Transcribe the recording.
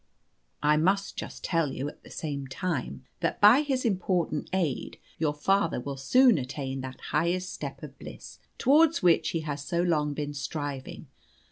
I must just tell you, at the same time, that by his important aid your father will soon attain that highest step of bliss towards which he has so long been striving.